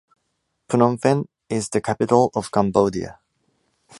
Phnom Penh is the capital of Cambodia.